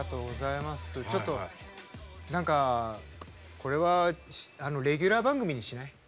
なんか、これはレギュラー番組にしない？